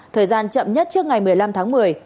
thời gian chậm nhất trước ngày một mươi năm tháng một mươi